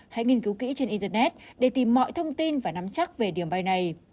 hãy nghiên cứu kỹ trên internet để tìm mọi thông tin và nắm chắc về đường bay này